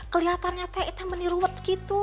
keliatannya kayak kita meniruat gitu